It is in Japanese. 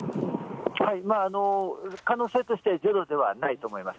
可能性としてはゼロではないと思います。